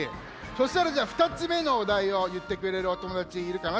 そしたらじゃあ２つめのおだいをいってくれるおともだちいるかな？